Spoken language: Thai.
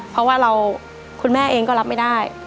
เพราะว่าคุณแม่เองก็รับไม่ได้